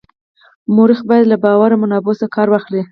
مورخ باید له باوري منابعو څخه کار واخلي.